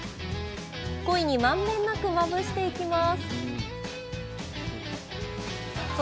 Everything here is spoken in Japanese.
コイに満遍なくまぶしていきます